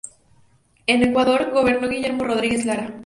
En Ecuador, gobernó Guillermo Rodríguez Lara.